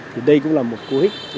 thì đây cũng là một cố hích